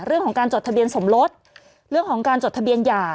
เรื่องของการจดทะเบียนสมรสเรื่องของการจดทะเบียนหย่า